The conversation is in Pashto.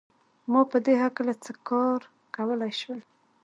ما په دې هکله څه کار کولای شول